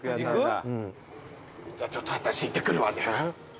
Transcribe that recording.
じゃあちょっとあたし行ってくるわね。